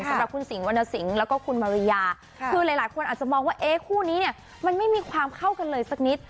สำหรับคุณสิงหวรรณสิงห์แล้วก็คุณมาริยาคือหลายคนอาจจะมองว่าเอ๊คู่นี้เนี่ยมันไม่มีความเข้ากันเลยสักนิด